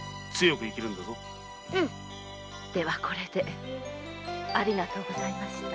うんではこれでありがとうございました。